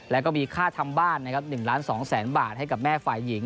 แล้วก็มีค่าทำบ้านนะครับ๑ล้าน๒แสนบาทให้กับแม่ฝ่ายหญิง